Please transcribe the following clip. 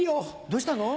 どうしたの？